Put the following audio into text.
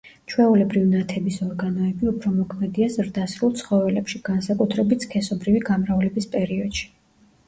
ჩვეულებრივ ნათების ორგანოები უფრო მოქმედია ზრდასრულ ცხოველში, განსაკუთრებით სქესობრივი გამრავლების პერიოდში.